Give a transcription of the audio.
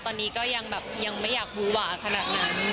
ตอนนี้ก็ยังแบบยังไม่อยากบูหวาขนาดนั้น